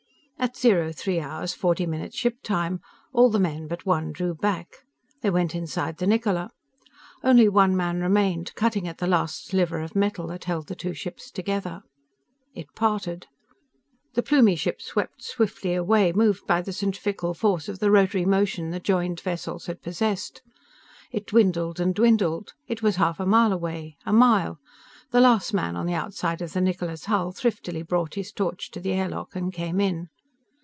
At 03 hours 40 minutes ship time, all the men but one drew back. They went inside the Niccola. Only one man remained, cutting at the last sliver of metal that held the two ships together. It parted. The Plumie ship swept swiftly away, moved by the centrifugal force of the rotary motion the joined vessels had possessed. It dwindled and dwindled. It was a half mile away. A mile. The last man on the outside of the Niccola's hull thriftily brought his torch to the air lock and came in.